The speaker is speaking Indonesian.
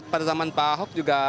pada zaman pak ahok juga